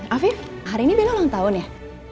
afif hari ini beda ulang tahun ya